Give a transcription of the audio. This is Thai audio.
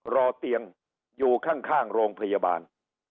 รอเตียงอยู่ข้างโรงพยาบาล